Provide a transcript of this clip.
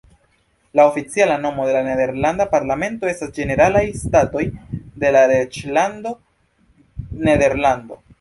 La oficiala nomo de la nederlanda parlamento estas "Ĝeneralaj Statoj de la Reĝlando Nederlando".